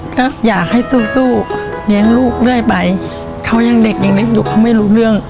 แล้วอยากให้สู้เลี้ยงลูกด้วยไปเขายังเด็กอยู่เขาไม่รู้เรื่อง